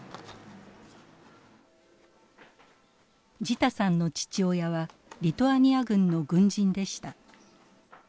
ジタさんの父親はリトアニア軍の軍人でした。